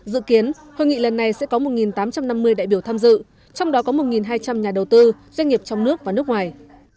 dự kiến hội nghị lần này sẽ có một tám trăm năm mươi đại biểu tham dự trong đó có một hai trăm linh nhà đầu tư doanh nghiệp trong nước và nước ngoài